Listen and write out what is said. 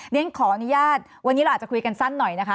ขออนุญาตวันนี้เราอาจจะคุยกันสั้นหน่อยนะคะ